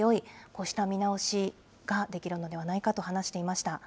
こうした見直しができるのではないかと話していました。